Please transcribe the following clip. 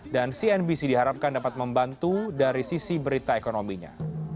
dan cnbc diharapkan dapat membantu dari sisi berita ekonominya